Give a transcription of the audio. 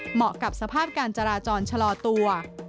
เหมาะกับสภาพการจราจรชะลอตัว